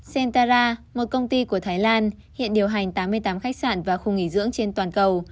centara một công ty của thái lan hiện điều hành tám mươi tám khách sạn và khu nghỉ dưỡng trên toàn cầu